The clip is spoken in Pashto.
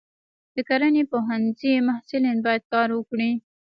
د کرنې پوهنځي محصلین باید کار وکړي.